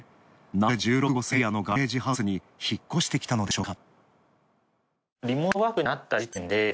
なぜ、１６号線エリアのガレージハウスに引っ越してきたのでしょうか。